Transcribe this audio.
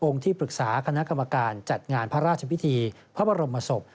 ที่ปรึกษาคณะกรรมการจัดงานพระราชพิธีพระบรมศพ